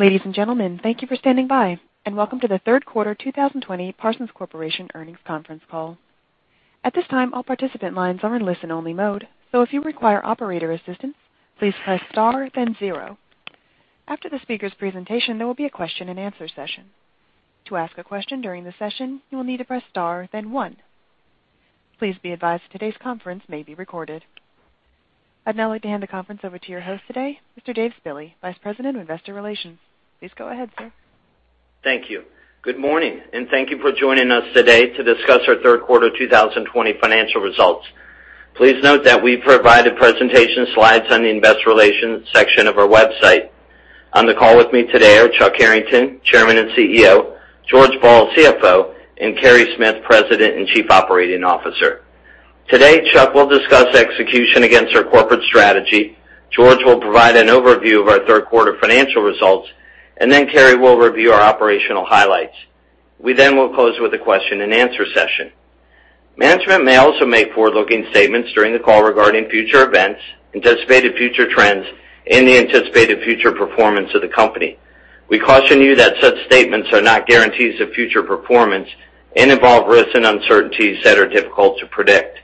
Ladies and gentlemen, thank you for standing by and welcome to the third quarter 2020 Parsons Corporation earnings conference call. At this time, all participant lines are in listen only mode, so if you require operator assistance, please press star then zero. After the speaker's presentation, there will be a question and answer session. To ask a question during the session, you will need to press star then one. Please be advised today's conference may be recorded. I'd now like to hand the conference over to your host today, Mr. Dave Spille, Vice President of Investor Relations. Please go ahead, sir. Thank you. Good morning, thank you for joining us today to discuss our third quarter 2020 financial results. Please note that we've provided presentation slides on the investor relations section of our website. On the call with me today are Chuck Harrington, Chairman and CEO, George Ball, CFO, and Carey Smith, President and Chief Operating Officer. Today, Chuck will discuss execution against our corporate strategy, George will provide an overview of our third quarter financial results, then Carey will review our operational highlights. We will close with a question and answer session. Management may also make forward-looking statements during the call regarding future events, anticipated future trends, and the anticipated future performance of the company. We caution you that such statements are not guarantees of future performance and involve risks and uncertainties that are difficult to predict.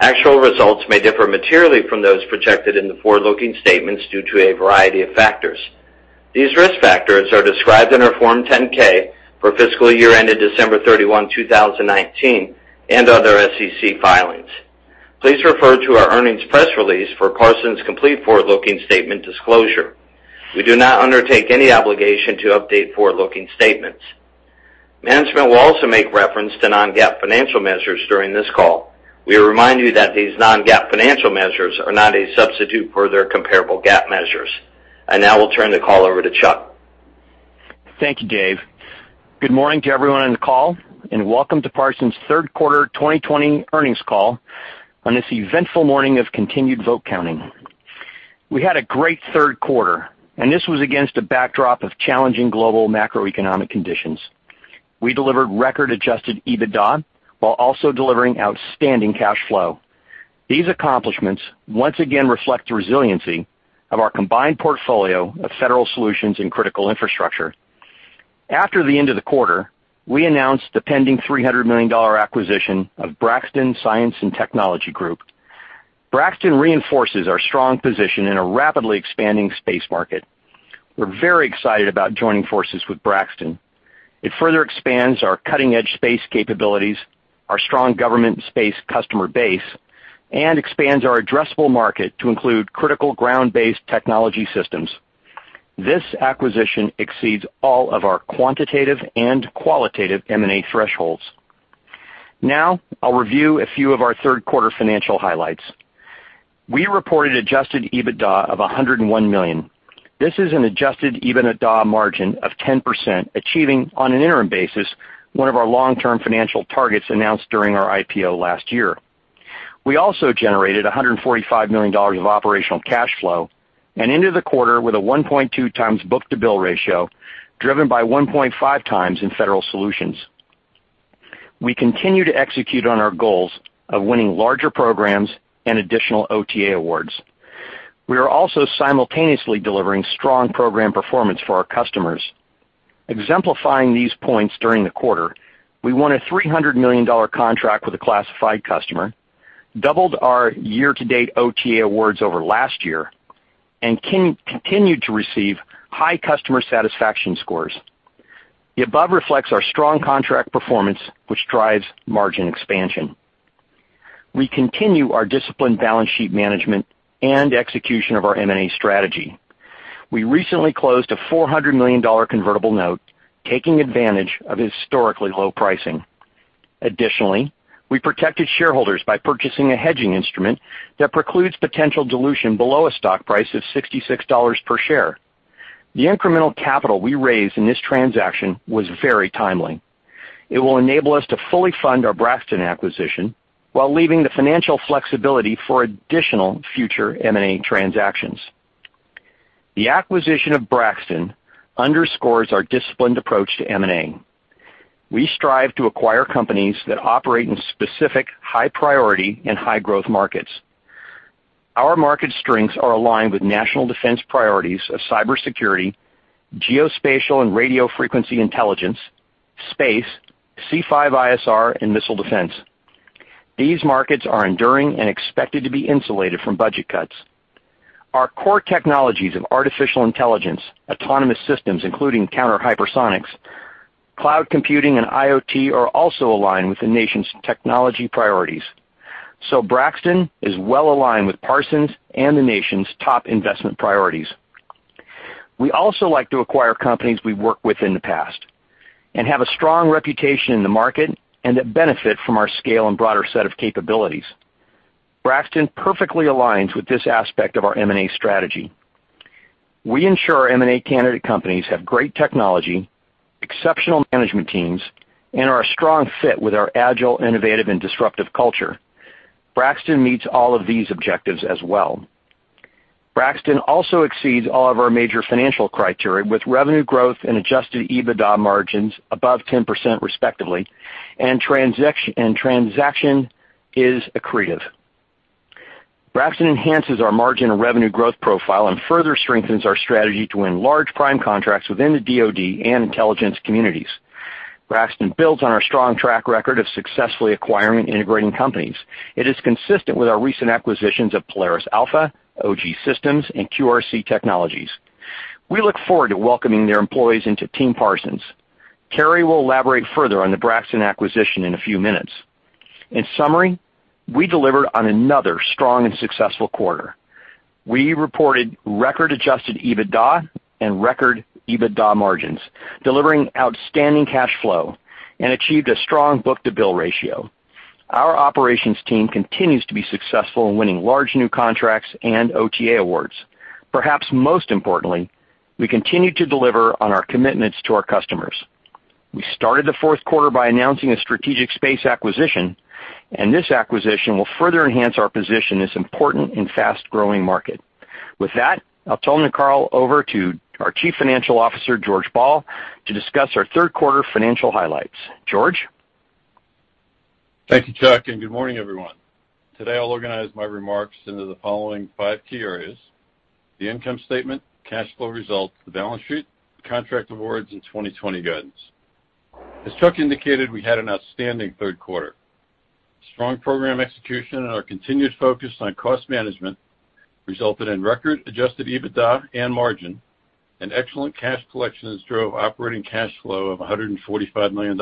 Actual results may differ materially from those projected in the forward-looking statements due to a variety of factors. These risk factors are described in our Form 10-K for fiscal year ended December 31, 2019, and other SEC filings. Please refer to our earnings press release for Parsons' complete forward-looking statement disclosure. We do not undertake any obligation to update forward-looking statements. Management will also make reference to non-GAAP financial measures during this call. We remind you that these non-GAAP financial measures are not a substitute for their comparable GAAP measures. I now will turn the call over to Chuck. Thank you, Dave. Good morning to everyone on the call, and welcome to Parsons' third quarter 2020 earnings call on this eventful morning of continued vote counting. We had a great third quarter, and this was against a backdrop of challenging global macroeconomic conditions. We delivered record adjusted EBITDA while also delivering outstanding cash flow. These accomplishments once again reflect the resiliency of our combined portfolio of Federal Solutions and Critical Infrastructure. After the end of the quarter, we announced the pending $300 million acquisition of Braxton Science & Technology Group. Braxton reinforces our strong position in a rapidly expanding space market. We're very excited about joining forces with Braxton. It further expands our cutting-edge space capabilities, our strong government space customer base, and expands our addressable market to include critical ground-based technology systems. This acquisition exceeds all of our quantitative and qualitative M&A thresholds. Now, I'll review a few of our third quarter financial highlights. We reported adjusted EBITDA of $101 million. This is an adjusted EBITDA margin of 10%, achieving, on an interim basis, one of our long-term financial targets announced during our IPO last year. We also generated $145 million of operational cash flow and ended the quarter with a 1.2x book-to-bill ratio, driven by 1.5x in Federal Solutions. We continue to execute on our goals of winning larger programs and additional OTA awards. We are also simultaneously delivering strong program performance for our customers. Exemplifying these points during the quarter, we won a $300 million contract with a classified customer, doubled our year-to-date OTA awards over last year, and continued to receive high customer satisfaction scores. The above reflects our strong contract performance, which drives margin expansion. We continue our disciplined balance sheet management and execution of our M&A strategy. We recently closed a $400 million convertible note, taking advantage of historically low pricing. Additionally, we protected shareholders by purchasing a hedging instrument that precludes potential dilution below a stock price of $66 per share. The incremental capital we raised in this transaction was very timely. It will enable us to fully fund our Braxton acquisition while leaving the financial flexibility for additional future M&A transactions. The acquisition of Braxton underscores our disciplined approach to M&A. We strive to acquire companies that operate in specific high priority and high growth markets. Our market strengths are aligned with national defense priorities of cybersecurity, geospatial and radio frequency intelligence, space, C5ISR, and missile defense. These markets are enduring and expected to be insulated from budget cuts. Our core technologies of artificial intelligence, autonomous systems, including counter hypersonics, cloud computing, and IoT, are also aligned with the nation's technology priorities. Braxton is well-aligned with Parsons and the nation's top investment priorities. We also like to acquire companies we've worked with in the past and have a strong reputation in the market and that benefit from our scale and broader set of capabilities. Braxton perfectly aligns with this aspect of our M&A strategy. We ensure M&A candidate companies have great technology, exceptional management teams, and are a strong fit with our agile, innovative, and disruptive culture. Braxton meets all of these objectives as well. Braxton also exceeds all of our major financial criteria with revenue growth and adjusted EBITDA margins above 10% respectively and transaction is accretive. Braxton enhances our margin and revenue growth profile and further strengthens our strategy to win large prime contracts within the DoD and intelligence communities. Braxton builds on our strong track record of successfully acquiring and integrating companies. It is consistent with our recent acquisitions of Polaris Alpha, OGSystems, and QRC Technologies. We look forward to welcoming their employees into team Parsons. Carey will elaborate further on the Braxton acquisition in a few minutes. In summary, we delivered on another strong and successful quarter. We reported record adjusted EBITDA and record EBITDA margins, delivering outstanding cash flow, and achieved a strong book-to-bill ratio. Our operations team continues to be successful in winning large new contracts and OTA awards. Perhaps most importantly, we continue to deliver on our commitments to our customers. We started the fourth quarter by announcing a strategic space acquisition. This acquisition will further enhance our position in this important and fast-growing market. With that, I'll turn the call over to our Chief Financial Officer, George Ball, to discuss our third quarter financial highlights. George? Thank you, Chuck. Good morning, everyone. Today, I'll organize my remarks into the following five key areas: the income statement, cash flow results, the balance sheet, contract awards, and 2020 guidance. As Chuck indicated, we had an outstanding third quarter. Strong program execution and our continued focus on cost management resulted in record adjusted EBITDA and margin and excellent cash collections drove operating cash flow of $145 million.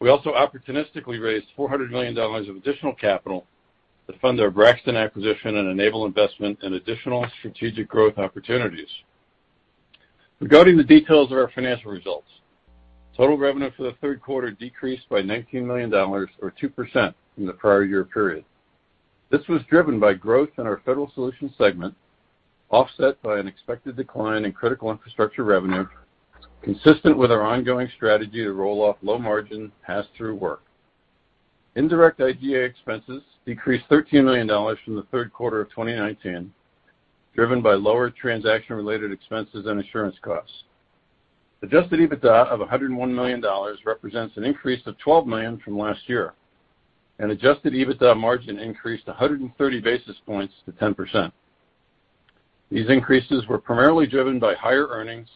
We also opportunistically raised $400 million of additional capital to fund our Braxton acquisition and enable investment in additional strategic growth opportunities. Regarding the details of our financial results, total revenue for the third quarter decreased by $19 million, or 2% from the prior year period. This was driven by growth in our Federal Solutions segment, offset by an expected decline in Critical Infrastructure revenue, consistent with our ongoing strategy to roll off low-margin, pass-through work. Indirect G&A expenses decreased $13 million from the third quarter of 2019, driven by lower transaction-related expenses and insurance costs. Adjusted EBITDA of $101 million represents an increase of $12 million from last year, and adjusted EBITDA margin increased 130 basis points to 10%. These increases were primarily driven by higher earnings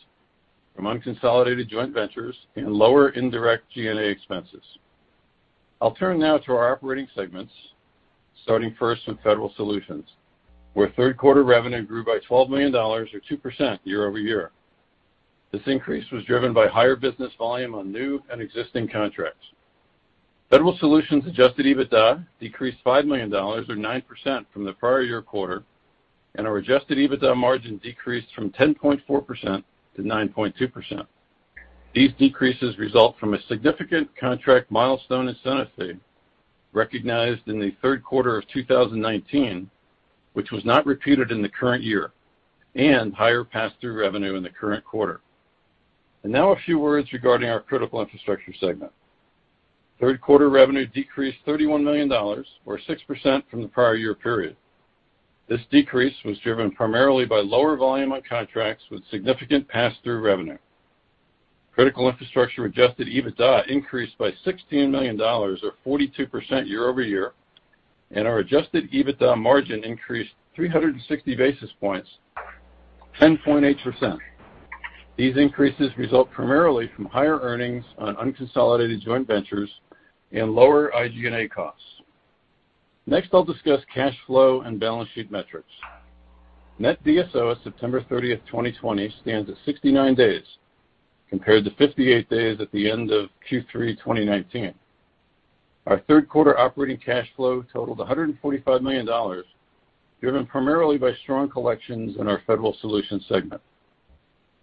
from unconsolidated joint ventures and lower indirect G&A expenses. I'll turn now to our operating segments, starting first with Federal Solutions, where third-quarter revenue grew by $12 million, or 2% year-over-year. This increase was driven by higher business volume on new and existing contracts. Federal Solutions adjusted EBITDA decreased $5 million, or 9% from the prior year quarter, and our adjusted EBITDA margin decreased from 10.4% to 9.2%. These decreases result from a significant contract milestone incentive recognized in the third quarter of 2019, which was not repeated in the current year, and higher pass-through revenue in the current quarter. Now a few words regarding our Critical Infrastructure segment. Third quarter revenue decreased $31 million, or 6% from the prior year period. This decrease was driven primarily by lower volume on contracts with significant pass-through revenue. Critical Infrastructure adjusted EBITDA increased by $16 million, or 42% year-over-year, and our adjusted EBITDA margin increased 360 basis points, 10.8%. These increases result primarily from higher earnings on unconsolidated joint ventures and lower IG&A costs. Next, I'll discuss cash flow and balance sheet metrics. Net DSO at September 30, 2020, stands at 69 days compared to 58 days at the end of Q3 2019. Our third quarter operating cash flow totaled $145 million, driven primarily by strong collections in our Federal Solutions segment.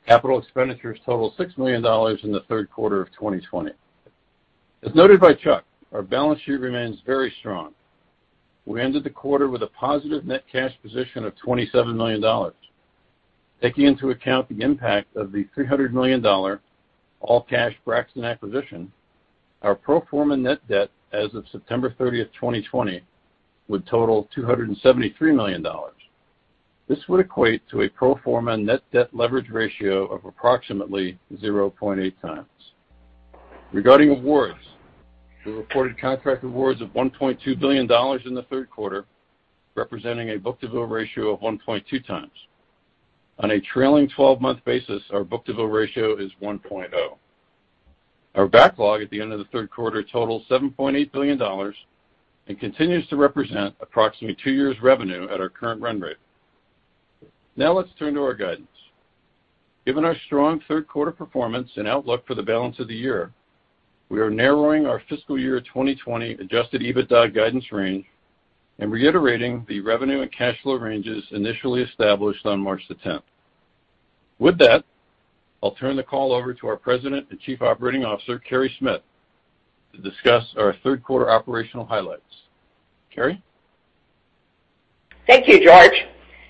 Capital expenditures totaled $6 million in the third quarter of 2020. As noted by Chuck, our balance sheet remains very strong. We ended the quarter with a positive net cash position of $27 million. Taking into account the impact of the $300 million all-cash Braxton acquisition, our pro forma net debt as of September 30th, 2020, would total $273 million. This would equate to a pro forma net debt leverage ratio of approximately 0.8x. Regarding awards, we reported contract awards of $1.2 billion in the third quarter, representing a book-to-bill ratio of 1.2x. On a trailing 12-month basis, our book-to-bill ratio is 1.0. Our backlog at the end of the third quarter totals $7.8 billion and continues to represent approximately two years' revenue at our current run rate. Now let's turn to our guidance. Given our strong third quarter performance and outlook for the balance of the year, we are narrowing our fiscal year 2020 adjusted EBITDA guidance range and reiterating the revenue and cash flow ranges initially established on March the 10th. With that, I'll turn the call over to our President and Chief Operating Officer, Carey Smith, to discuss our third quarter operational highlights. Carey? Thank you, George.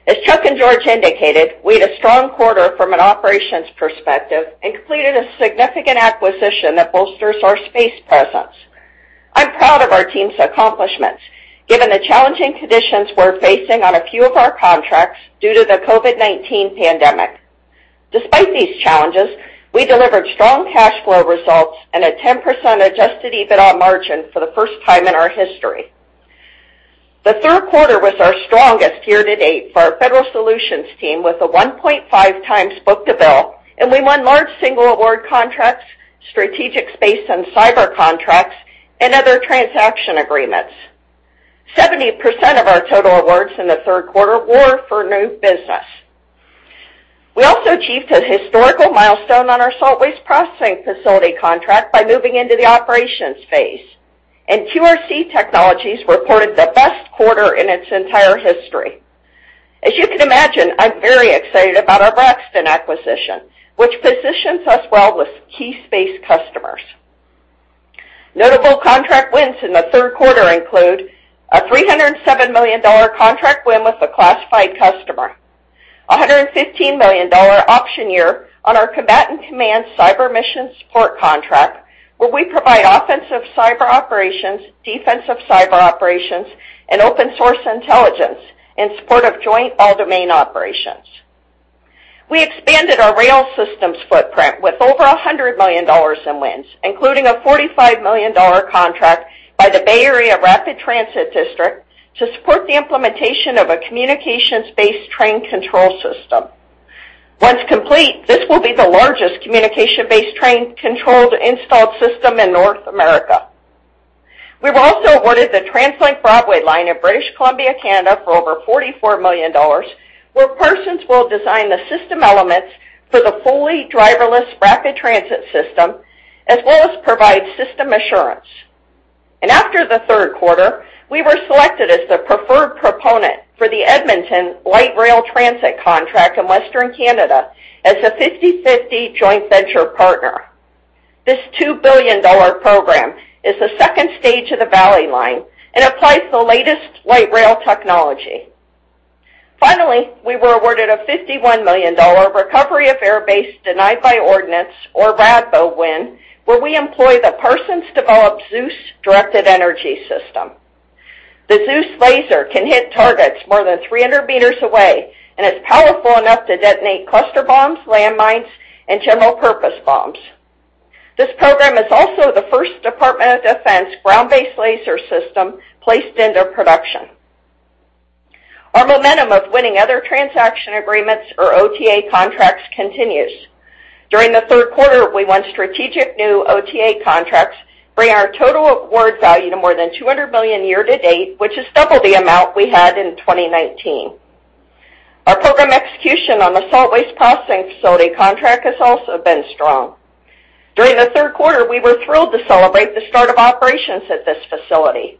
As Chuck and George indicated, we had a strong quarter from an operations perspective and completed a significant acquisition that bolsters our space presence. I'm proud of our team's accomplishments, given the challenging conditions we're facing on a few of our contracts due to the COVID-19 pandemic. Despite these challenges, we delivered strong cash flow results and a 10% adjusted EBITDA margin for the first time in our history. The third quarter was our strongest year to date for our Federal Solutions team, with a 1.5x book-to-bill, and we won large single award contracts, strategic space and cyber contracts, and other transaction agreements. 70% of our total awards in the third quarter were for new business. We also achieved a historical milestone on our Salt Waste Processing Facility contract by moving into the operations phase. QRC Technologies reported the best quarter in its entire history. As you can imagine, I'm very excited about our Braxton acquisition, which positions us well with key space customers. Notable contract wins in the third quarter include a $307 million contract win with a classified customer, $115 million option year on our Combatant Command Cyber Mission Support contract, where we provide offensive cyber operations, defensive cyberspace operations, and open-source intelligence in support of joint all-domain operations. We expanded our rail systems footprint with over $100 million in wins, including a $45 million contract by the Bay Area Rapid Transit District to support the implementation of a communications-based train control system. Once complete, this will be the largest communication-based train controlled installed system in North America. We were also awarded the TransLink Broadway Line in British Columbia, Canada, for over $44 million, where Parsons will design the system elements for the fully driverless rapid transit system, as well as provide system assurance. After the third quarter, we were selected as the preferred proponent for the Edmonton light rail transit contract in Western Canada as a 50/50 joint venture partner. This $2 billion program is the second stage of the Valley Line and applies the latest light rail technology. We were awarded a $51 million Recovery of Airbase Denied by Ordnance, or RADBO win, where we employ the Parsons-developed ZEUS directed energy system. The ZEUS laser can hit targets more than 300 meters away and is powerful enough to detonate cluster bombs, landmines, and general-purpose bombs. This program is also the first Department of Defense ground-based laser system placed into production. Our momentum of winning other transaction agreements or OTA contracts continues. During the third quarter, we won strategic new OTA contracts, bringing our total award value to more than $200 million year to date, which is double the amount we had in 2019. Our program execution on the Salt Waste Processing Facility contract has also been strong. During the third quarter, we were thrilled to celebrate the start of operations at this facility.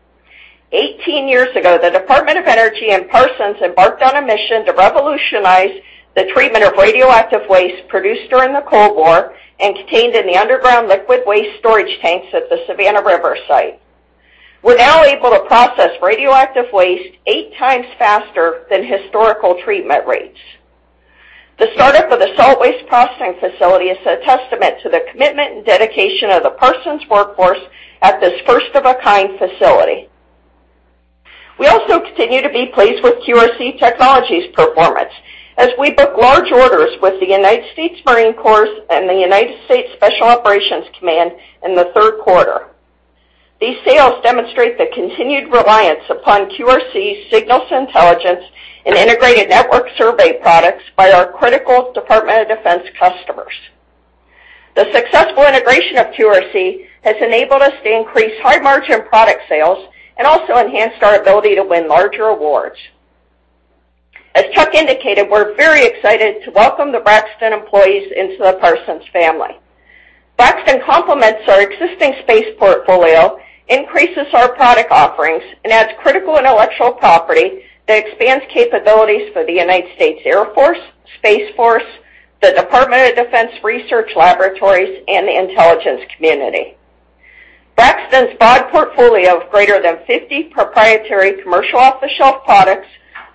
18 years ago, the Department of Energy and Parsons embarked on a mission to revolutionize the treatment of radioactive waste produced during the Cold War and contained in the underground liquid waste storage tanks at the Savannah River Site. We're now able to process radioactive waste eight times faster than historical treatment rates. The startup of the Salt Waste Processing Facility is a testament to the commitment and dedication of the Parsons workforce at this first-of-a-kind facility. We also continue to be pleased with QRC Technologies' performance, as we book large orders with the United States Marine Corps and the United States Special Operations Command in the third quarter. These sales demonstrate the continued reliance upon QRC's signals intelligence and integrated network survey products by our critical Department of Defense customers. The successful integration of QRC has enabled us to increase high-margin product sales and also enhanced our ability to win larger awards. As Chuck indicated, we're very excited to welcome the Braxton employees into the Parsons family. Braxton complements our existing space portfolio, increases our product offerings, and adds critical intellectual property that expands capabilities for the United States Air Force, Space Force, the Department of Defense research laboratories, and the intelligence community. Braxton's broad portfolio of greater than 50 proprietary commercial off-the-shelf products,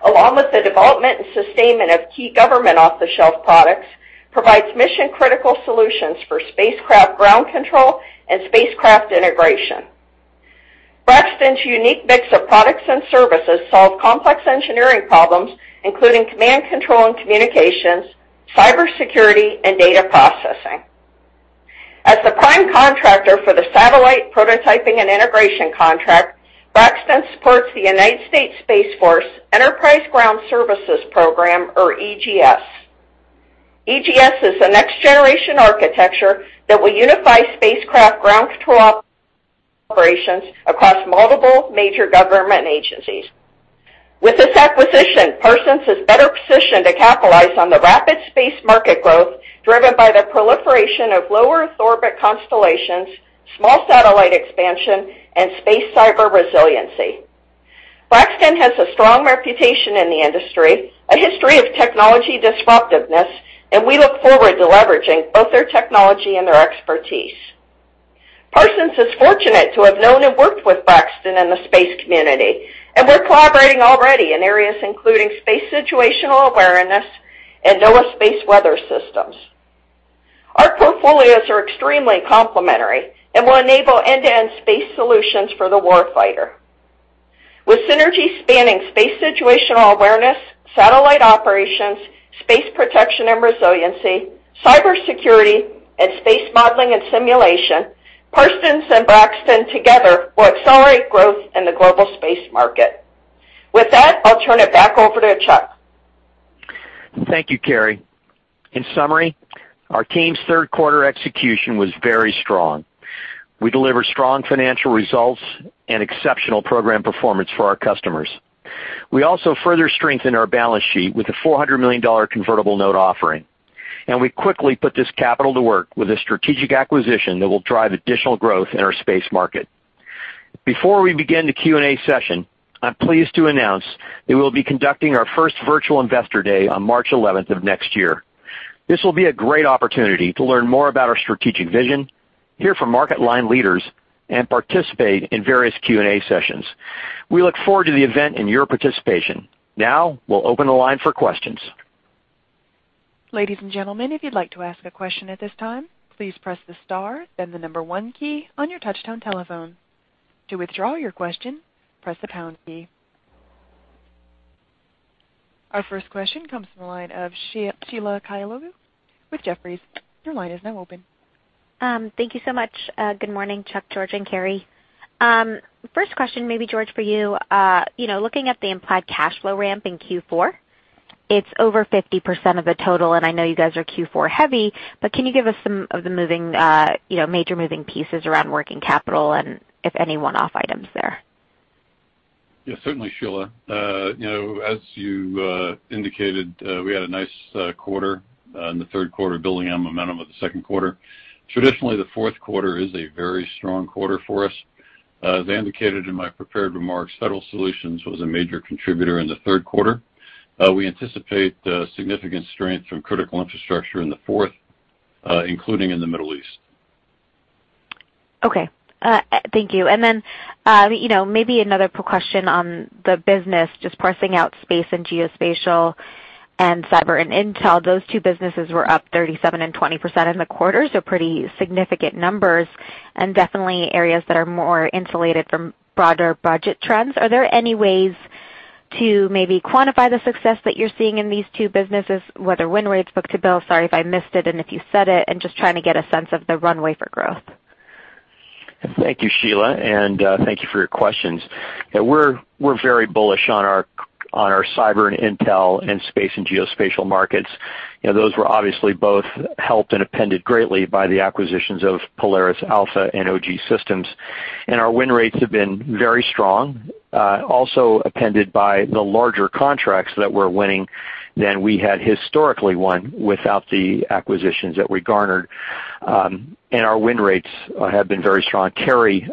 along with the development and sustainment of key government off-the-shelf products, provides mission-critical solutions for spacecraft ground control and spacecraft integration. Braxton's unique mix of products and services solve complex engineering problems, including command, control, and communications, cyber security, and data processing. As the prime contractor for the satellite prototyping and integration contract, Braxton supports the United States Space Force Enterprise Ground Services program, or EGS. EGS is a next-generation architecture that will unify spacecraft ground control operations across multiple major government agencies. With this acquisition, Parsons is better positioned to capitalize on the rapid space market growth driven by the proliferation of low Earth orbit constellations, small satellite expansion, and space cyber resiliency. We look forward to leveraging both their technology and their expertise. Parsons is fortunate to have known and worked with Braxton in the space community. We're collaborating already in areas including space situational awareness and NOAA space weather systems. Our portfolios are extremely complementary and will enable end-to-end space solutions for the warfighter. With synergy spanning space situational awareness, satellite operations, space protection and resiliency, cybersecurity, and space modeling and simulation, Parsons and Braxton together will accelerate growth in the global space market. With that, I'll turn it back over to Chuck. Thank you, Carey. In summary, our team's third quarter execution was very strong. We delivered strong financial results and exceptional program performance for our customers. We also further strengthened our balance sheet with a $400 million convertible note offering, and we quickly put this capital to work with a strategic acquisition that will drive additional growth in our space market. Before we begin the Q&A session, I'm pleased to announce that we'll be conducting our first virtual Investor Day on March 11th of next year. This will be a great opportunity to learn more about our strategic vision, hear from market line leaders, and participate in various Q&A sessions. We look forward to the event and your participation. Now we'll open the line for questions. Ladies and gentlemen, if you'd like to ask a question at this time, please press the star, then the number one key on your touchtone telephone. To withdraw your question, press the pound key. Our first question comes from the line of Sheila Kahyaoglu with Jefferies. Your line is now open. Thank you so much. Good morning, Chuck, George, and Carey. First question, maybe George for you. Looking at the implied cash flow ramp in Q4, it's over 50% of the total, and I know you guys are Q4 heavy, but can you give us some of the major moving pieces around working capital and if any one-off items there? Yes, certainly, Sheila. As you indicated, we had a nice quarter in the third quarter building on the momentum of the second quarter. Traditionally, the fourth quarter is a very strong quarter for us. As indicated in my prepared remarks, Federal Solutions was a major contributor in the third quarter. We anticipate significant strength from Critical Infrastructure in the fourth, including in the Middle East. Okay. Thank you. Maybe another question on the business, just parsing out space and geospatial and cyber and intel. Those two businesses were up 37% and 20% in the quarter, so pretty significant numbers and definitely areas that are more insulated from broader budget trends. Are there any ways to maybe quantify the success that you're seeing in these two businesses, whether win rates, book-to-bill? Sorry if I missed it and if you said it, I'm just trying to get a sense of the runway for growth. Thank you, Sheila, and thank you for your questions. We're very bullish on our cyber and intel and space and geospatial markets. Those were obviously both helped and upended greatly by the acquisitions of Polaris Alpha and OGSystems. Our win rates have been very strong, also upended by the larger contracts that we're winning than we had historically won without the acquisitions that we garnered. Our win rates have been very strong. Carey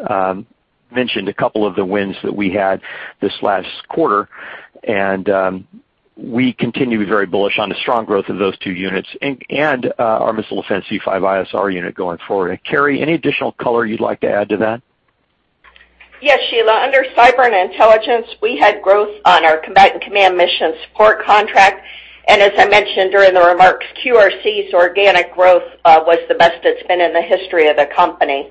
mentioned a couple of the wins that we had this last quarter, and we continue to be very bullish on the strong growth of those two units and our missile defense C5ISR unit going forward. Carey, any additional color you'd like to add to that? Yes, Sheila. Under cyber and intelligence, we had growth on our Combatant Command Mission Support contract. As I mentioned during the remarks, QRC's organic growth was the best it's been in the history of the company.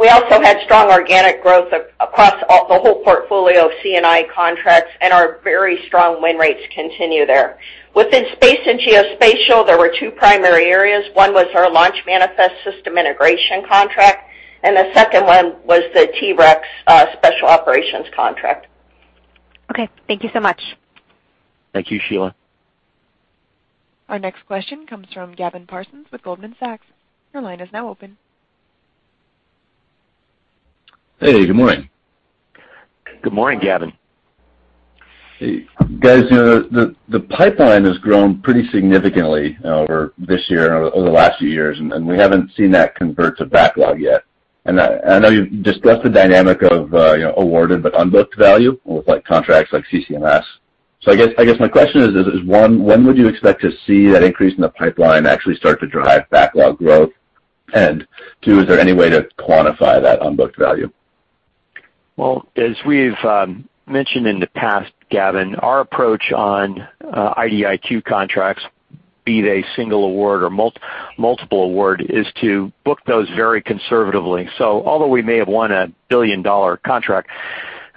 We also had strong organic growth across the whole portfolio of C&I contracts, and our very strong win rates continue there. Within Space and Geospatial, there were two primary areas. One was our Launch Manifest Systems Integration contract, and the second one was the TReX special operations contract. Okay. Thank you so much. Thank you, Sheila. Our next question comes from Gavin Parsons with Goldman Sachs. Your line is now open. Hey, good morning. Good morning, Gavin. Hey, guys. The pipeline has grown pretty significantly over this year and over the last few years, and we haven't seen that convert to backlog yet. I know you've discussed the dynamic of awarded but unbooked value with contracts like CCMS. I guess my question is, one, when would you expect to see that increase in the pipeline actually start to drive backlog growth? Two, is there any way to quantify that unbooked value? As we've mentioned in the past, Gavin, our approach on IDIQ contracts, be they single award or multiple award, is to book those very conservatively. Although we may have won a billion-dollar contract,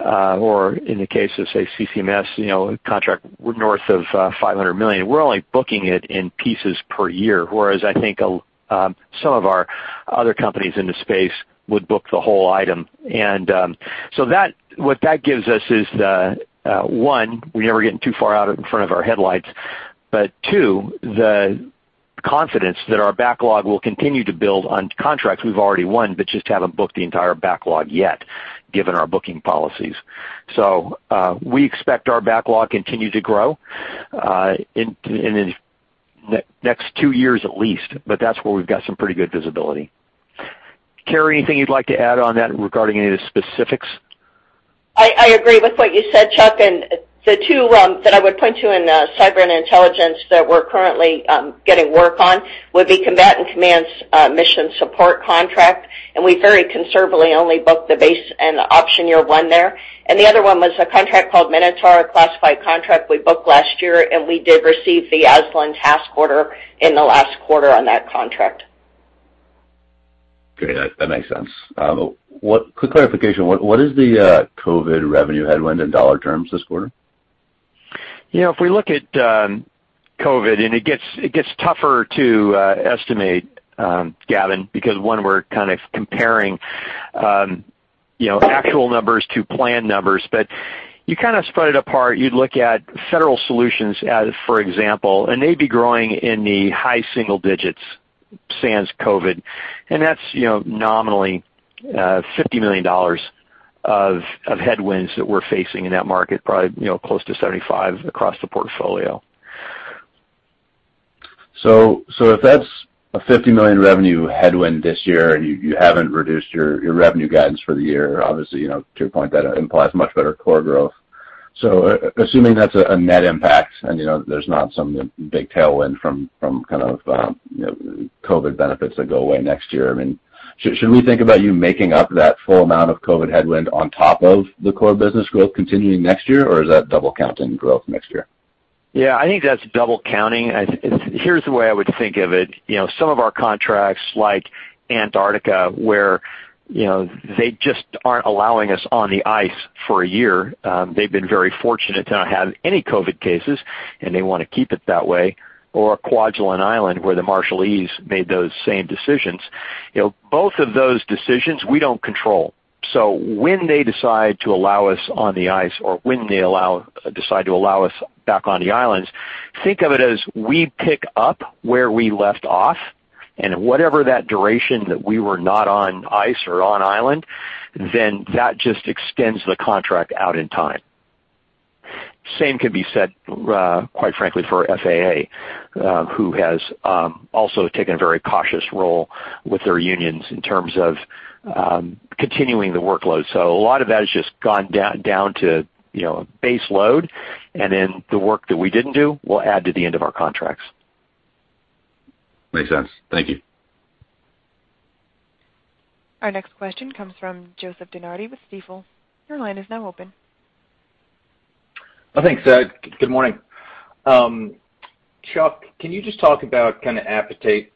or in the case of, say, CCMS, a contract north of $500 million, we're only booking it in pieces per year, whereas I think some of our other companies in the space would book the whole item. What that gives us is, one, we're never getting too far out in front of our headlights, but two, the confidence that our backlog will continue to build on contracts we've already won, but just haven't booked the entire backlog yet, given our booking policies. We expect our backlog continue to grow in the next two years at least, but that's where we've got some pretty good visibility. Carey, anything you'd like to add on that regarding any of the specifics? I agree with what you said, Chuck, and the two that I would point to in cyber and intelligence that we're currently getting work on would be Combatant Command mission support contract, and we very conservatively only booked the base and the option year one there. The other one was a contract called Minotaur, a classified contract we booked last year, and we did receive the ASLAN task order in the last quarter on that contract. That makes sense. Quick clarification, what is the COVID revenue headwind in dollar terms this quarter? If we look at COVID, it gets tougher to estimate, Gavin, because one, we're kind of comparing actual numbers to planned numbers. You kind of spread it apart. You'd look at Federal Solutions, for example, and they'd be growing in the high single digits sans COVID. That's nominally $50 million of headwinds that we're facing in that market, probably close to $75 million across the portfolio. If that's a $50 million revenue headwind this year, and you haven't reduced your revenue guidance for the year, obviously, to your point, that implies much better core growth. Assuming that's a net impact and there's not some big tailwind from COVID benefits that go away next year. Should we think about you making up that full amount of COVID headwind on top of the core business growth continuing next year? Or is that double counting growth next year? I think that's double counting. Here's the way I would think of it. Some of our contracts, like Antarctica, where they just aren't allowing us on the ice for a year. They've been very fortunate to not have any COVID cases, and they want to keep it that way. Kwajalein Island, where the Marshallese made those same decisions. Both of those decisions we don't control. When they decide to allow us on the ice or when they decide to allow us back on the islands, think of it as we pick up where we left off, and whatever that duration that we were not on ice or on island, then that just extends the contract out in time. Same can be said, quite frankly, for FAA, who has also taken a very cautious role with their unions in terms of continuing the workload. A lot of that has just gone down to base load, and then the work that we didn't do will add to the end of our contracts. Makes sense. Thank you. Our next question comes from Joseph DeNardi with Stifel. Your line is now open. Thanks. Good morning. Chuck, can you just talk about kind of appetite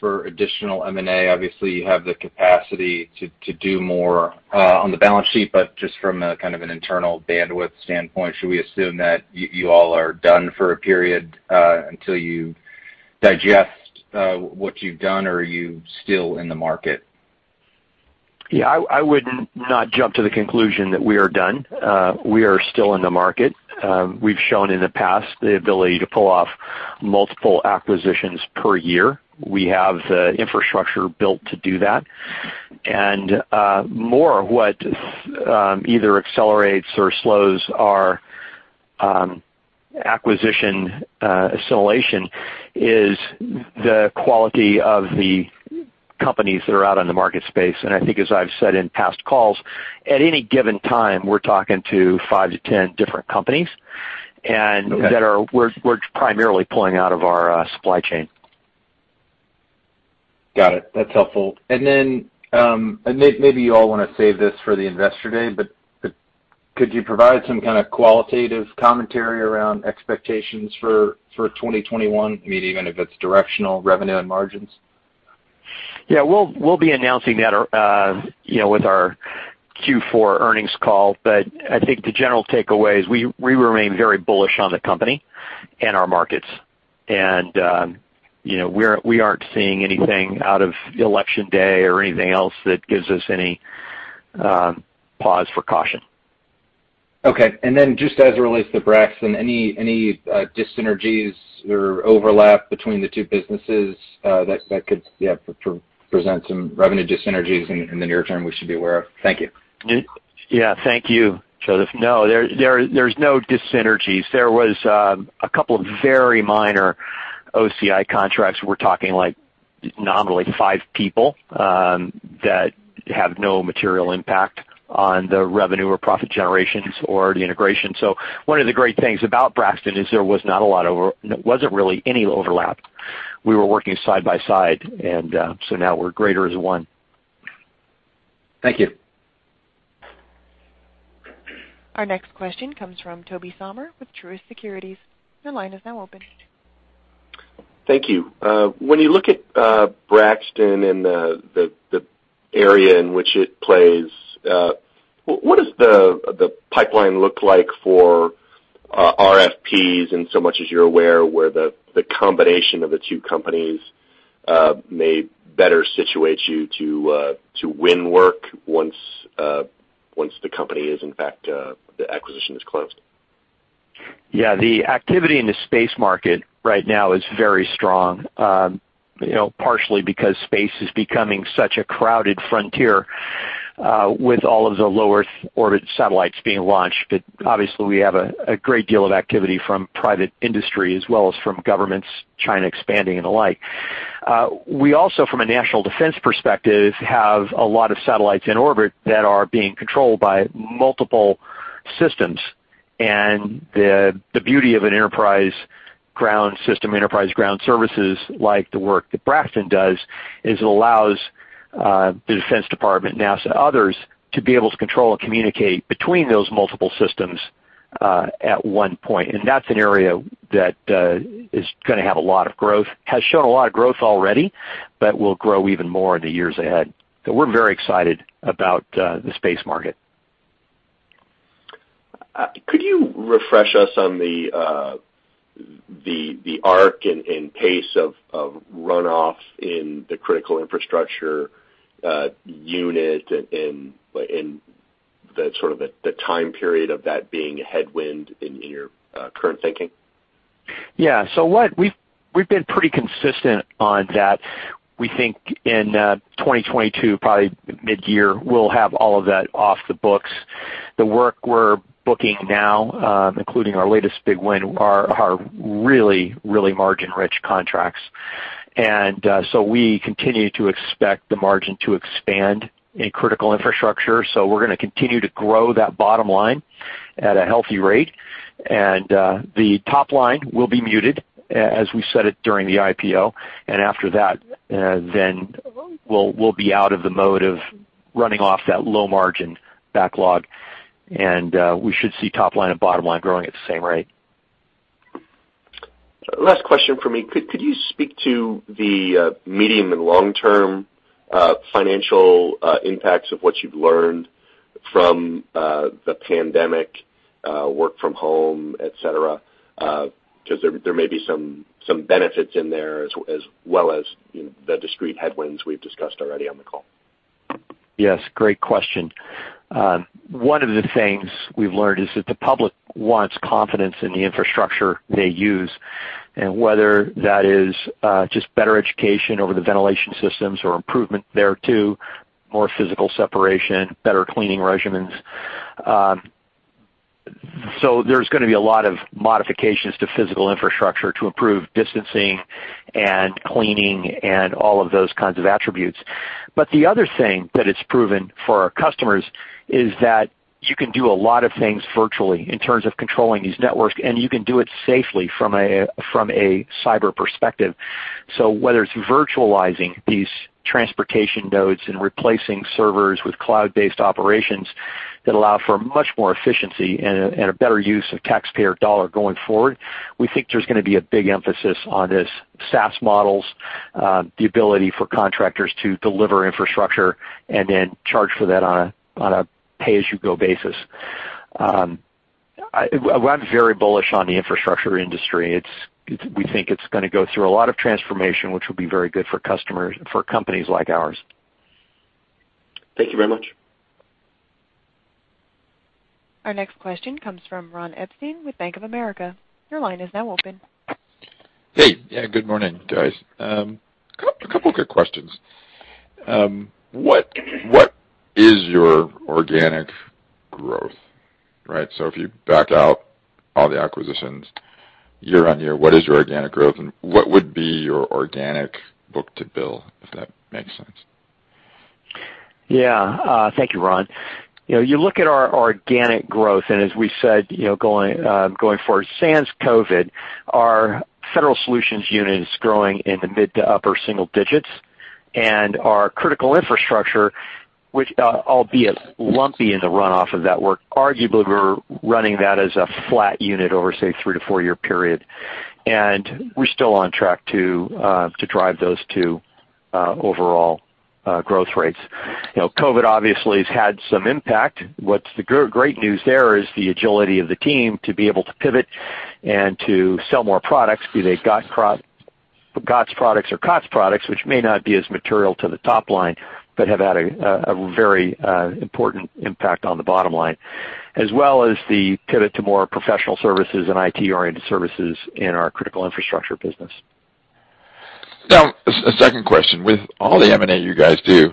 for additional M&A? Obviously, you have the capacity to do more on the balance sheet, but just from a kind of an internal bandwidth standpoint, should we assume that you all are done for a period until you digest what you've done or are you still in the market? Yeah, I would not jump to the conclusion that we are done. We are still in the market. We've shown in the past the ability to pull off multiple acquisitions per year. We have the infrastructure built to do that. More what either accelerates or slows our acquisition assimilation is the quality of the companies that are out on the market space. I think as I've said in past calls, at any given time, we're talking to 5-10 different companies, and that we're primarily pulling out of our supply chain. Got it. That's helpful. Maybe you all want to save this for the Investor Day, but could you provide some kind of qualitative commentary around expectations for 2021? Maybe even if it's directional revenue and margins. Yeah, we'll be announcing that with our Q4 earnings call. I think the general takeaway is we remain very bullish on the company and our markets. We aren't seeing anything out of Election Day or anything else that gives us any pause for caution. Okay. Just as it relates to Braxton, any dyssynergies or overlap between the two businesses that could present some revenue dyssynergies in the near term we should be aware of? Thank you. Yeah. Thank you, Joseph. No, there's no dyssynergies. There was a couple of very minor OCI contracts. We're talking like nominally five people that have no material impact on the revenue or profit generations or the integration. One of the great things about Braxton is there wasn't really any overlap. We were working side by side, and now we're greater as one. Thank you. Our next question comes from Tobey Sommer with Truist Securities. Your line is now open. Thank you. When you look at Braxton and the area in which it plays, what does the pipeline look like for RFPs, and so much as you're aware, where the combination of the two companies may better situate you to win work once the company is in fact, the acquisition is closed? Yeah. The activity in the space market right now is very strong. Partially because space is becoming such a crowded frontier with all of the low Earth orbit satellites being launched. Obviously we have a great deal of activity from private industry as well as from governments, China expanding and the like. We also, from a national defense perspective, have a lot of satellites in orbit that are being controlled by multiple systems. The beauty of an enterprise ground system, Enterprise Ground Services like the work that Braxton does, is it allows the Defense Department, NASA, others, to be able to control and communicate between those multiple systems at one point. That's an area that is going to have a lot of growth, has shown a lot of growth already, but will grow even more in the years ahead. We're very excited about the space market. Could you refresh us on the arc and pace of runoff in the Critical Infrastructure unit and the time period of that being a headwind in your current thinking? Yeah. We've been pretty consistent on that. We think in 2022, probably mid-year, we'll have all of that off the books. The work we're booking now, including our latest big win, are really margin-rich contracts. We continue to expect the margin to expand in Critical Infrastructure. We're going to continue to grow that bottom line at a healthy rate. The top line will be muted, as we said it during the IPO. After that, then we'll be out of the mode of running off that low margin backlog. We should see top line and bottom line growing at the same rate. Last question from me. Could you speak to the medium and long-term financial impacts of what you've learned from the pandemic, work from home, et cetera? There may be some benefits in there as well as the discrete headwinds we've discussed already on the call. Yes, great question. One of the things we've learned is that the public wants confidence in the infrastructure they use, and whether that is just better education over the ventilation systems or improvement there, too, more physical separation, better cleaning regimens. There's going to be a lot of modifications to physical infrastructure to improve distancing and cleaning and all of those kinds of attributes. The other thing that it's proven for our customers is that you can do a lot of things virtually in terms of controlling these networks, and you can do it safely from a cyber perspective. Whether it's virtualizing these transportation nodes and replacing servers with cloud-based operations that allow for much more efficiency and a better use of taxpayer dollar going forward, we think there's going to be a big emphasis on this SaaS models, the ability for contractors to deliver infrastructure and then charge for that on a pay-as-you-go basis. I'm very bullish on the infrastructure industry. We think it's going to go through a lot of transformation, which will be very good for companies like ours. Thank you very much. Our next question comes from Ron Epstein with Bank of America. Your line is now open. Hey. Yeah, good morning, guys. A couple quick questions. What is your organic growth, right? If you back out all the acquisitions year on year, what is your organic growth and what would be your organic book-to-bill, if that makes sense? Thank you, Ron. You look at our organic growth, as we said, going forward, sans COVID, our Federal Solutions unit is growing in the mid to upper single digits. Our Critical Infrastructure, which albeit lumpy in the runoff of that work, arguably we're running that as a flat unit over, say, a three to four-year period. We're still on track to drive those two overall growth rates. COVID obviously has had some impact. What's the great news there is the agility of the team to be able to pivot and to sell more products, be they GOTS products or COTS products, which may not be as material to the top line, but have had a very important impact on the bottom line, as well as the pivot to more professional services and IT-oriented services in our Critical Infrastructure business. A second question. With all the M&A you guys do,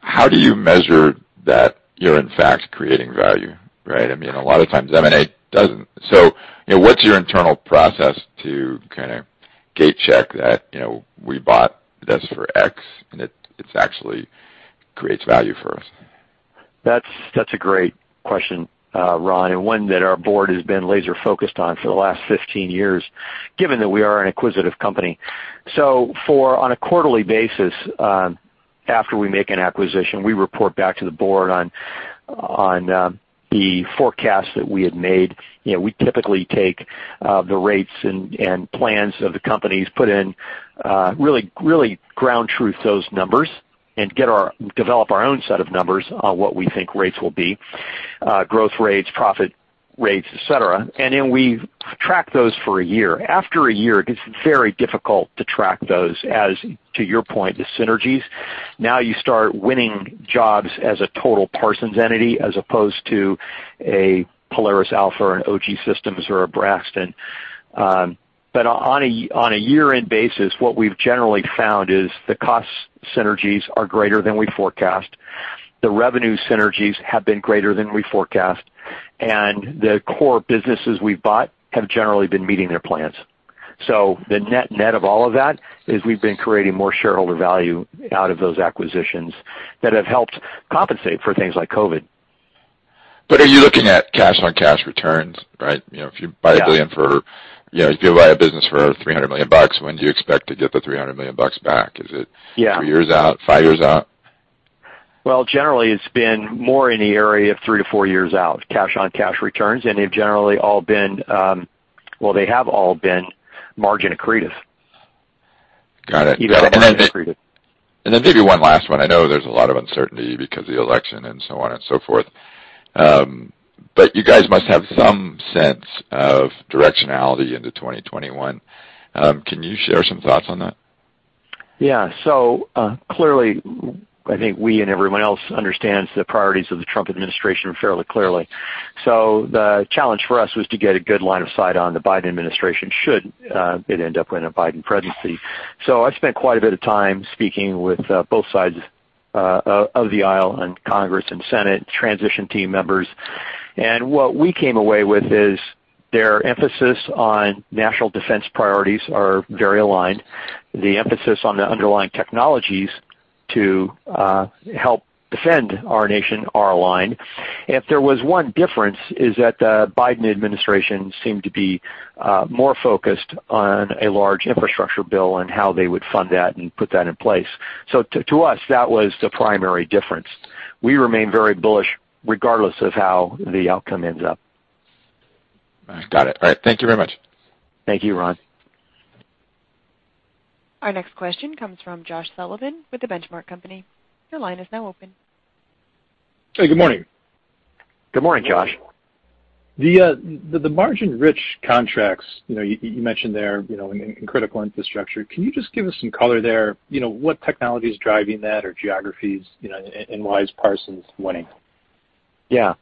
how do you measure that you're in fact creating value, right? A lot of times M&A doesn't. What's your internal process to kind of gate check that we bought this for X, and it actually creates value for us? That's a great question, Ron, and one that our board has been laser-focused on for the last 15 years, given that we are an acquisitive company. On a quarterly basis, after we make an acquisition, we report back to the board on the forecast that we had made. We typically take the rates and plans of the companies, put in really ground truth those numbers, and develop our own set of numbers on what we think rates will be, growth rates, profit rates, et cetera. We track those for a year. After a year, it gets very difficult to track those as, to your point, the synergies. Now you start winning jobs as a total Parsons entity as opposed to a Polaris Alpha or an OGSystems or a Braxton. On a year-end basis, what we've generally found is the cost synergies are greater than we forecast. The revenue synergies have been greater than we forecast. The core businesses we've bought have generally been meeting their plans. The net of all of that is we've been creating more shareholder value out of those acquisitions that have helped compensate for things like COVID. Are you looking at cash-on-cash returns, right? If you buy a business for $300 million, when do you expect to get the $300 million back? Yeah Three years out, five years out? Well, generally, it's been more in the area of three to four years out, cash-on-cash returns, and they've generally all been margin accretive. Got it. Even accretive. Maybe one last one. I know there's a lot of uncertainty because of the election and so on and so forth. You guys must have some sense of directionality into 2021. Can you share some thoughts on that? Yeah. Clearly, I think we and everyone else understands the priorities of the Trump administration fairly clearly. The challenge for us was to get a good line of sight on the Biden administration should it end up in a Biden presidency. I spent quite a bit of time speaking with both sides of the aisle and Congress and Senate transition team members. What we came away with is their emphasis on national defense priorities are very aligned. The emphasis on the underlying technologies to help defend our nation are aligned. If there was one difference, is that the Biden administration seemed to be more focused on a large infrastructure bill and how they would fund that and put that in place. To us, that was the primary difference. We remain very bullish regardless of how the outcome ends up. Got it. All right. Thank you very much. Thank you, Ron. Our next question comes from Josh Sullivan with The Benchmark Company. Your line is now open. Hey, good morning. Good morning, Josh. The margin-rich contracts, you mentioned there, in Critical Infrastructure. Can you just give us some color there? What technology is driving that or geographies, and why is Parsons winning? Yeah.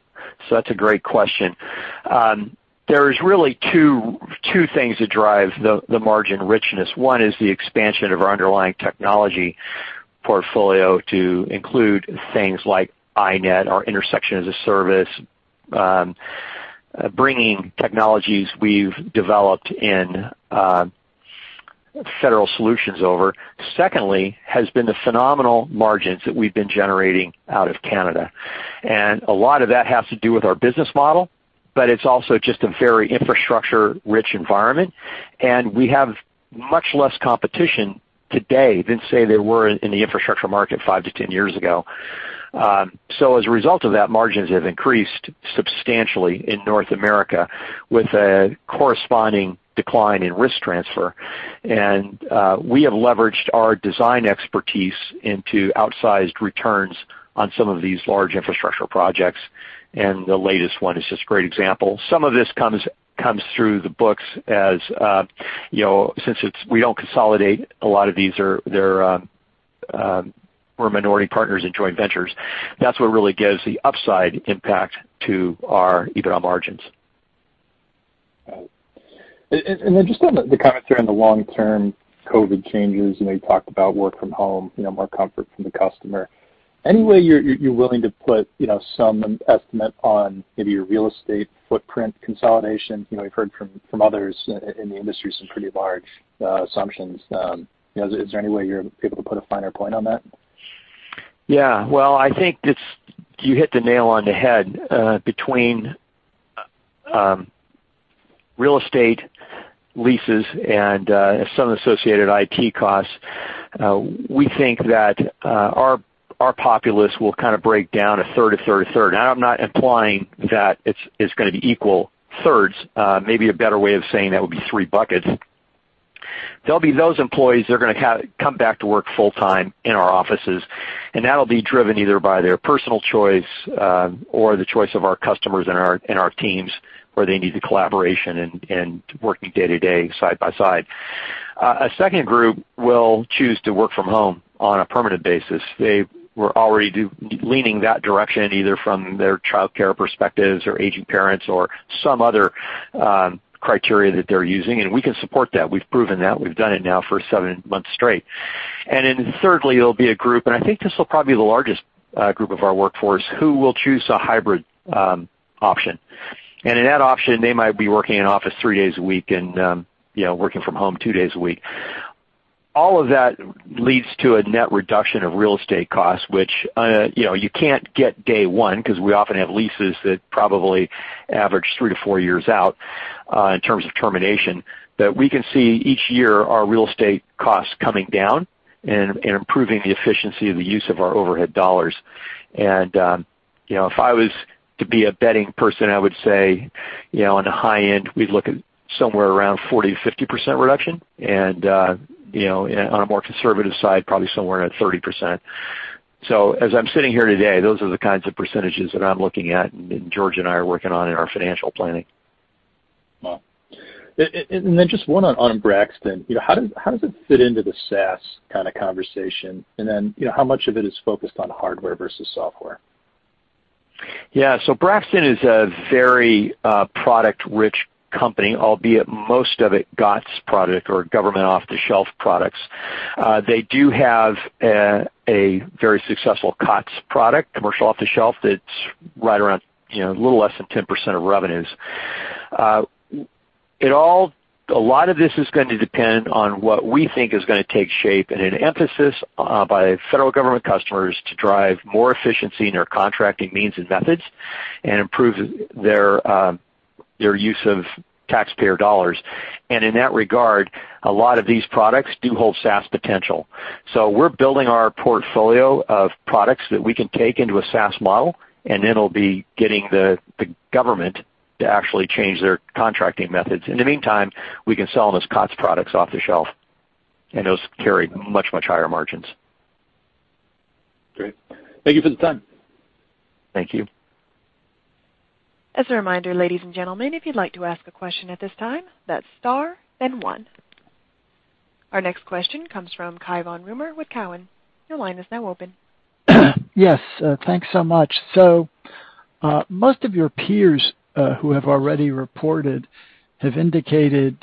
That's a great question. There is really two things that drive the margin richness. One is the expansion of our underlying technology portfolio to include things like iNET, our Intersection as a Service, bringing technologies we've developed in Federal Solutions over. Secondly, has been the phenomenal margins that we've been generating out of Canada. A lot of that has to do with our business model, but it's also just a very infrastructure-rich environment, and we have much less competition today than, say, there were in the infrastructure market 5-10 years ago. As a result of that, margins have increased substantially in North America with a corresponding decline in risk transfer. We have leveraged our design expertise into outsized returns on some of these large infrastructure projects, and the latest one is just a great example. Some of this comes through the books as, since we don't consolidate a lot of these, we're minority partners in joint ventures. That's what really gives the upside impact to our EBITDA margins. Just on the commentary on the long-term COVID changes, you talked about work from home, more comfort from the customer. Any way you're willing to put some estimate on maybe your real estate footprint consolidation? We've heard from others in the industry, some pretty large assumptions. Is there any way you're able to put a finer point on that? Yeah. Well, I think you hit the nail on the head. Between real estate leases and some associated IT costs, we think that our populace will kind of break down a third, a third, a third. Now, I'm not implying that it's going to be equal thirds. Maybe a better way of saying that would be three buckets. There'll be those employees that are gonna come back to work full-time in our offices, and that'll be driven either by their personal choice, or the choice of our customers and our teams, where they need the collaboration and working day to day, side by side. A second group will choose to work from home on a permanent basis. They were already leaning that direction, either from their childcare perspectives or aging parents or some other criteria that they're using, and we can support that. We've proven that. We've done it now for seven months straight. Thirdly, there'll be a group, and I think this will probably be the largest group of our workforce, who will choose a hybrid option. In that option, they might be working in office three days a week and working from home two days a week. All of that leads to a net reduction of real estate costs, which you can't get day one because we often have leases that probably average three to four years out in terms of termination. That we can see each year our real estate costs coming down and improving the efficiency of the use of our overhead dollars. If I was to be a betting person, I would say, on the high end, we'd look at somewhere around 40%-50% reduction. On a more conservative side, probably somewhere around 30%. As I'm sitting here today, those are the kinds of percentages that I'm looking at and George and I are working on in our financial planning. Wow. Just one on Braxton. How does it fit into the SaaS kind of conversation? How much of it is focused on hardware versus software? Yeah. Braxton is a very product-rich company, albeit most of it GOTS product or government off-the-shelf products. They do have a very successful COTS product, commercial off-the-shelf, that's right around a little less than 10% of revenues. A lot of this is going to depend on what we think is going to take shape and an emphasis by federal government customers to drive more efficiency in their contracting means and methods and improve their use of taxpayer dollars. In that regard, a lot of these products do hold SaaS potential. We're building our portfolio of products that we can take into a SaaS model, then it will be getting the government to actually change their contracting methods. In the meantime, we can sell them as COTS products off the shelf, and those carry much, much higher margins. Great. Thank you for the time. Thank you. As a reminder, ladies and gentlemen, if you'd like to ask a question at this time, that's star then one. Our next question comes from Cai von Rumohr with Cowen. Your line is now open. Yes, thanks so much. Most of your peers who have already reported have indicated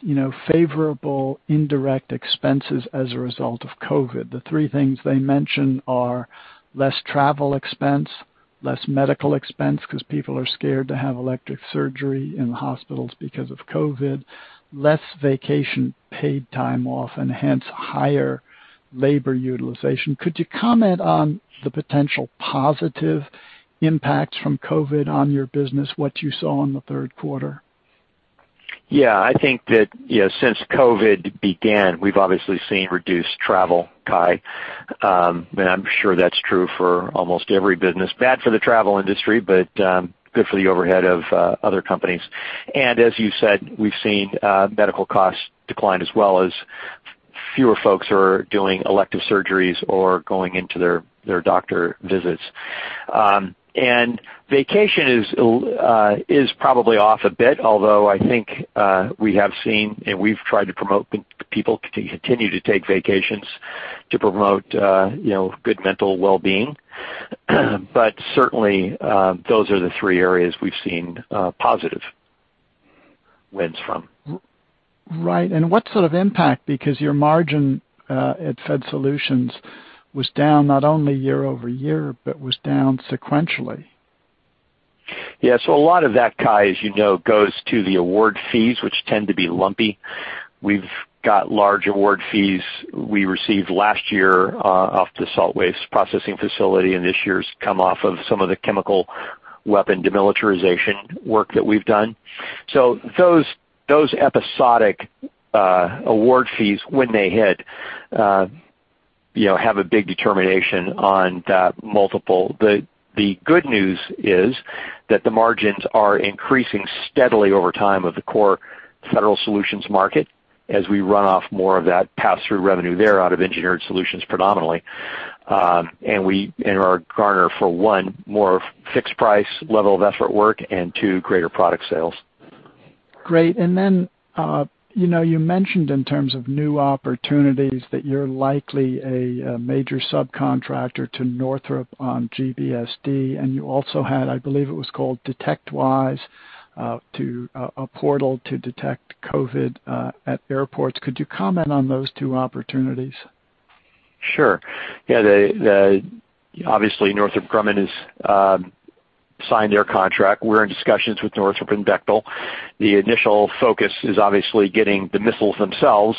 favorable indirect expenses as a result of COVID. The three things they mention are less travel expense, less medical expense because people are scared to have elective surgery in the hospitals because of COVID, less vacation paid time off, and hence, higher labor utilization. Could you comment on the potential positive impacts from COVID on your business, what you saw in the third quarter? Yeah. I think that since COVID began, we've obviously seen reduced travel, Cai, and I'm sure that's true for almost every business. Bad for the travel industry, but good for the overhead of other companies. As you said, we've seen medical costs decline as well as fewer folks are doing elective surgeries or going into their doctor visits. Vacation is probably off a bit, although I think we have seen, and we've tried to promote people to continue to take vacations to promote good mental well-being. Certainly, those are the three areas we've seen positive wins from. Right. What sort of impact, because your margin at Fed Solutions was down not only year-over-year but was down sequentially? Yeah. A lot of that, Cai, you know, goes to the award fees, which tend to be lumpy. We've got large award fees we received last year off the Salt Waste Processing Facility, and this year's come off of some of the chemical weapon demilitarization work that we've done. Those episodic award fees, when they hit, have a big determination on that multiple. The good news is that the margins are increasing steadily over time of the core Federal Solutions market as we run off more of that pass-through revenue there out of engineered solutions predominantly. We are garner for one, more fixed price level of effort work and two, greater product sales. Great. Then, you mentioned in terms of new opportunities that you're likely a major subcontractor to Northrop on GBSD, and you also had, I believe it was called DetectWise, a portal to detect COVID at airports. Could you comment on those two opportunities? Sure. Yeah. Obviously, Northrop Grumman has signed their contract. We're in discussions with Northrop and Bechtel. The initial focus is obviously getting the missiles themselves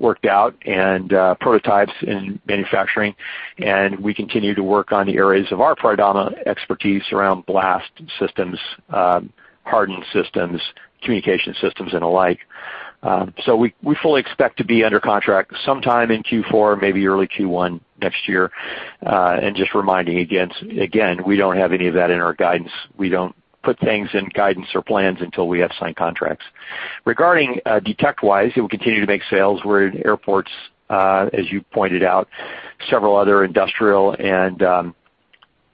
worked out and prototypes in manufacturing. We continue to work on the areas of our predominant expertise around blast systems, hardened systems, communication systems and alike. We fully expect to be under contract sometime in Q4, maybe early Q1 next year. Just reminding you again, we don't have any of that in our guidance. We don't put things in guidance or plans until we have signed contracts. Regarding DetectWise, it will continue to make sales. We're in airports, as you pointed out, several other industrial and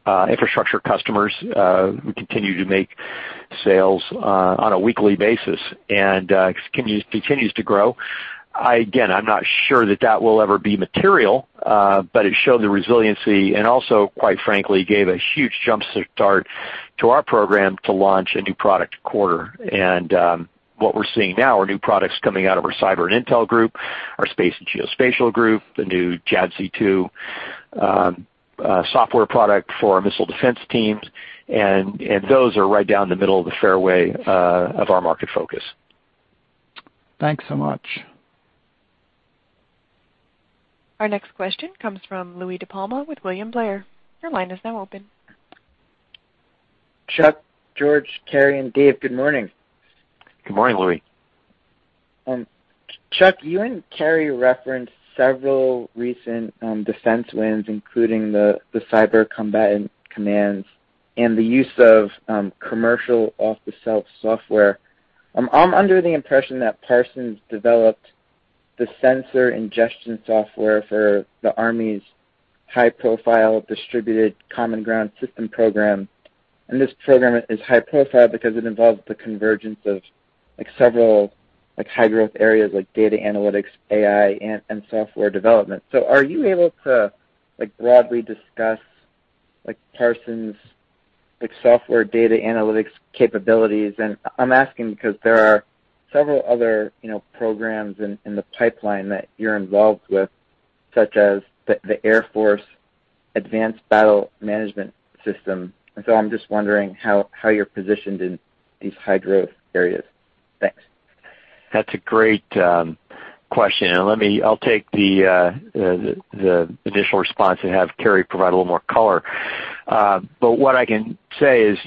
infrastructure customers. We continue to make sales on a weekly basis and continues to grow. Again, I'm not sure that that will ever be material, but it showed the resiliency and also, quite frankly, gave a huge jumpstart to our program to launch a new product a quarter. What we're seeing now are new products coming out of our cyber and intel group, our space and geospatial group, the new JADC2 software product for our missile defense teams. Those are right down the middle of the fairway of our market focus. Thanks so much. Our next question comes from Louie DiPalma with William Blair. Your line is now open. Chuck, George, Carey and Dave, good morning. Good morning, Louie. Chuck, you and Carey referenced several recent defense wins, including the combat and command cyber mission support contract and the use of commercial off-the-shelf software. I'm under the impression that Parsons developed the sensor ingestion software for the Army's high-profile Distributed Common Ground System-Army program. This program is high profile because it involves the convergence of several high-growth areas like data analytics, AI, and software development. Are you able to broadly discuss Parsons' software data analytics capabilities? I'm asking because there are several other programs in the pipeline that you're involved with, such as the Air Force Advanced Battle Management System. I'm just wondering how you're positioned in these high-growth areas. Thanks. That's a great question. I'll take the initial response and have Carey provide a little more color. What I can say is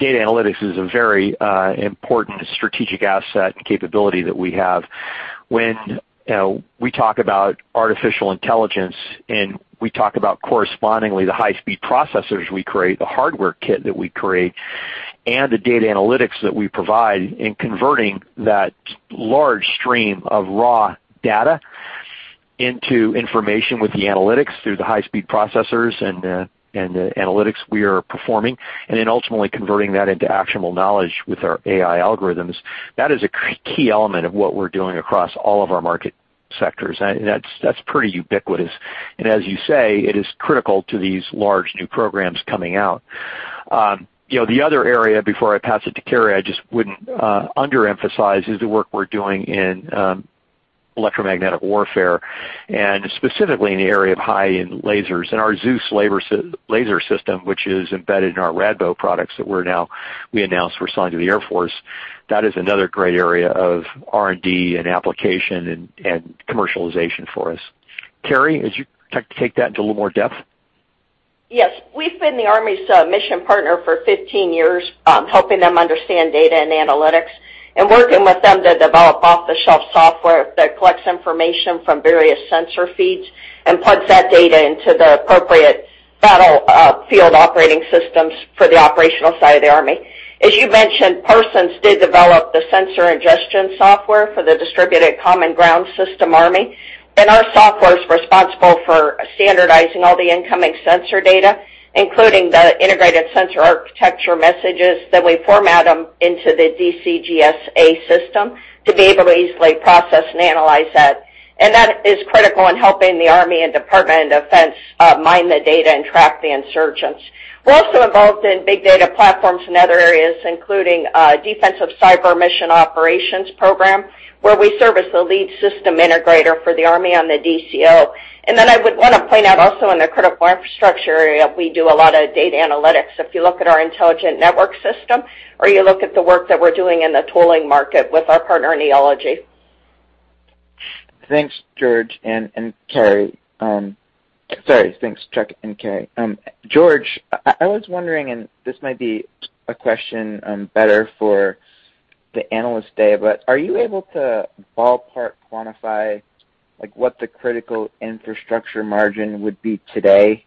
data analytics is a very important strategic asset and capability that we have. When we talk about artificial intelligence and we talk about correspondingly the high-speed processors we create, the hardware kit that we create, and the data analytics that we provide in converting that large stream of raw data into information with the analytics through the high-speed processors and the analytics we are performing, and then ultimately converting that into actionable knowledge with our AI algorithms. That is a key element of what we're doing across all of our market sectors, and that's pretty ubiquitous. As you say, it is critical to these large new programs coming out. The other area, before I pass it to Carey, I just wouldn't under-emphasize, is the work we're doing in electromagnetic warfare, and specifically in the area of high-end lasers. Our ZEUS laser system, which is embedded in our RADBO products that we announced we're selling to the Air Force, that is another great area of R&D and application and commercialization for us. Carey, would you like to take that into a little more depth? Yes. We've been the Army's mission partner for 15 years, helping them understand data and analytics and working with them to develop off-the-shelf software that collects information from various sensor feeds and puts that data into the appropriate battlefield operating systems for the operational side of the Army. As you mentioned, Parsons did develop the sensor ingestion software for the Distributed Common Ground System-Army. Our software is responsible for standardizing all the incoming sensor data, including the integrated sensor architecture messages, then we format them into the DCGS-A system to be able to easily process and analyze that. That is critical in helping the Army and Department of Defense mine the data and track the insurgents. We're also involved in big data platforms in other areas, including Defensive Cyberspace Operations program, where we serve as the lead system integrator for the Army on the DCO. I would want to point out also in the Critical Infrastructure area, we do a lot of data analytics. If you look at our Intelligent NETworks system or you look at the work that we're doing in the tolling market with our partner Neology. Thanks, Chuck and Carey. George, I was wondering, and this might be a question better for the analyst day, but are you able to ballpark quantify what the Critical Infrastructure margin would be today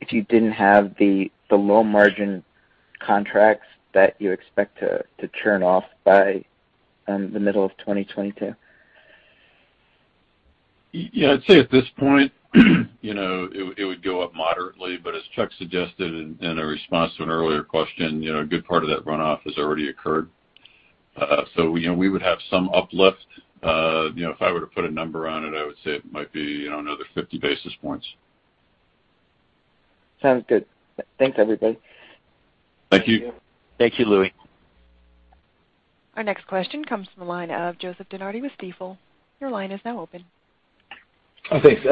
if you didn't have the low-margin contracts that you expect to churn off by the middle of 2022? I'd say at this point, it would go up moderately, but as Chuck suggested in a response to an earlier question, a good part of that runoff has already occurred. We would have some uplift. If I were to put a number on it, I would say it might be another 50 basis points. Sounds good. Thanks, everybody. Thank you. Thank you, Louie. Our next question comes from the line of Joseph DeNardi with Stifel. Your line is now open. Oh, thanks.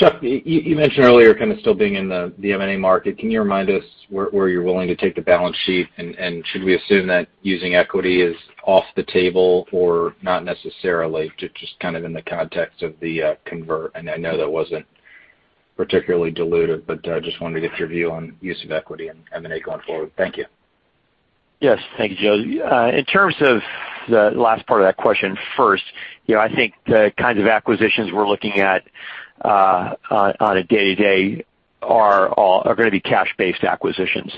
Chuck, you mentioned earlier kind of still being in the M&A market. Can you remind us where you're willing to take the balance sheet, and should we assume that using equity is off the table or not necessarily, just kind of in the context of the convert? I know that wasn't particularly dilutive, but just wanted to get your view on use of equity and M&A going forward. Thank you. Yes. Thank you, Joe. In terms of the last part of that question first, I think the kinds of acquisitions we're looking at on a day-to-day are going to be cash-based acquisitions.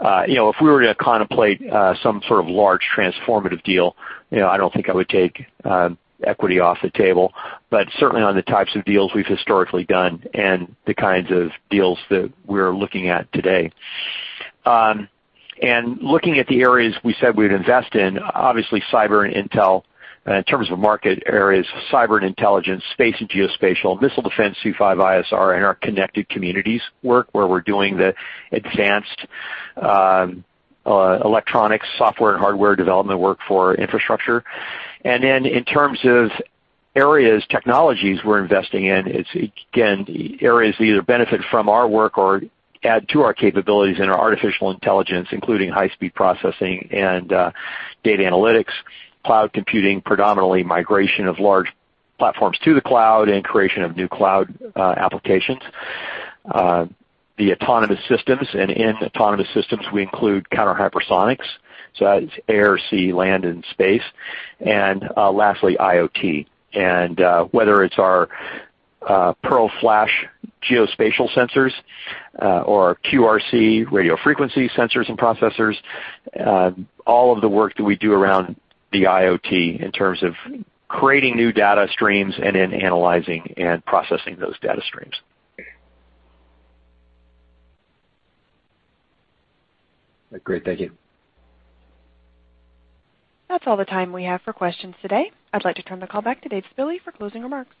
If we were to contemplate some sort of large transformative deal, I don't think I would take equity off the table, but certainly on the types of deals we've historically done and the kinds of deals that we're looking at today. Looking at the areas we said we'd invest in, obviously cyber and intel. In terms of market areas, cyber and intelligence, space and geospatial, missile defense, C5ISR, and our connected communities work, where we're doing the advanced electronics software and hardware development work for infrastructure. In terms of areas, technologies we're investing in, it's again, areas that either benefit from our work or add to our capabilities in our artificial intelligence, including high-speed processing and data analytics, cloud computing, predominantly migration of large platforms to the cloud, and creation of new cloud applications. Autonomous systems, and in autonomous systems, we include counter-hypersonics. That is air, sea, land, and space. Lastly, IoT. Whether it's our PeARL Flash geospatial sensors or our QRC radio frequency sensors and processors, all of the work that we do around the IoT in terms of creating new data streams and then analyzing and processing those data streams. Great. Thank you. That's all the time we have for questions today. I'd like to turn the call back to Dave Spille for closing remarks.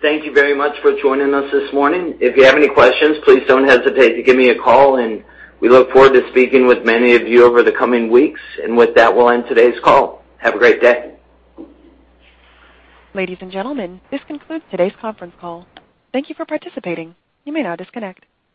Thank you very much for joining us this morning. If you have any questions, please don't hesitate to give me a call, and we look forward to speaking with many of you over the coming weeks. With that, we'll end today's call. Have a great day. Ladies and gentlemen, this concludes today's conference call. Thank you for participating. You may now disconnect.